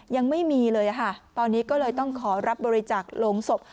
ยังไม่มีเลยค่ะตอนนี้ก็เลยต้องขอรับบริจาคโรงศพ